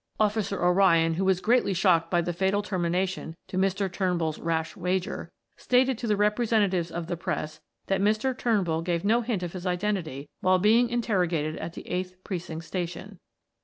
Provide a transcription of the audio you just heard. "Officer O'Ryan, who was greatly shocked by the fatal termination to Mr. Turnbull's rash wager, stated to the representatives of the press that Mr. Turnbull gave no hint of his identity while being interrogated at the 8th Precinct Station.